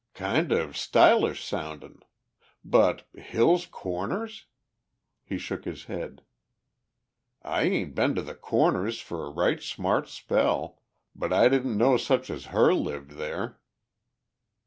"Kind of stylish soundin'. But, Hill's Corners?" He shook his head. "I ain't been to the Corners for a right smart spell, but I didn't know such as her lived there."